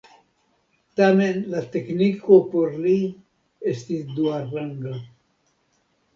Tamen la tekniko por li estis duaranga.